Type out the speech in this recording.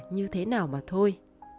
như thế nào mà thôi